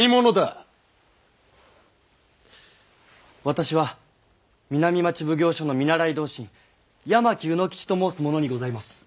私は南町奉行所の見習同心八巻卯之吉と申す者にございます。